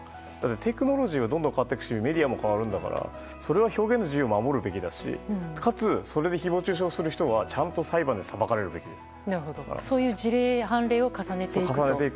テクノロジーはどんどん変わっていくしメディアも変わるんだからそれは表現の自由を守るべきだしかつ、それで誹謗中傷する人はちゃんと裁判で裁かれるべきです。